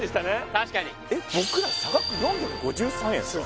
確かにえっ僕ら差額４５３円ですか？